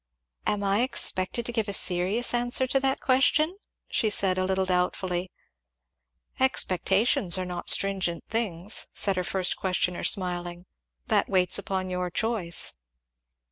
"Am I expected to give a serious answer to that question?" she said a little doubtfully. "Expectations are not stringent things," said her first questioner smiling. "That waits upon your choice."